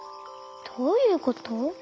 どういうこと？